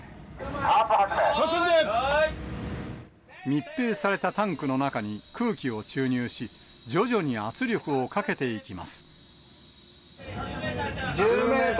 密閉されたタンクの中に空気を注入し、徐々に圧力をかけていきます。